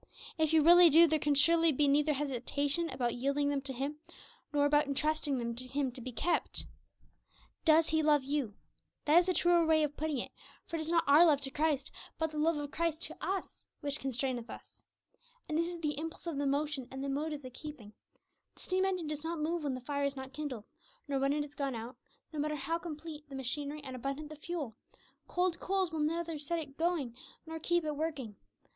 If you really do, there can surely be neither hesitation about yielding them to Him, nor about entrusting them to Him to be kept. Does He love you? That is the truer way of putting it; for it is not our love to Christ, but the love of Christ to us which constraineth us. And this is the impulse of the motion and the mode of the keeping. The steam engine does not move when the fire is not kindled, nor when it is gone out; no matter how complete the machinery and abundant the fuel, cold coals will neither set it going nor keep it working.